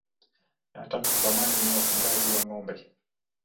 Tangu zamani ni wafugaji wa ng'ombe.